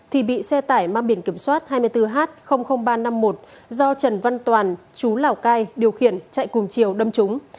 thì bị xe tải mang biển kiểm soát hai mươi bốn h ba trăm năm mươi một do trần văn toàn chú lào cai điều khiển chạy cùng chiều đâm trúng